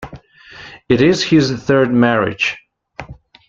It is his third marriage.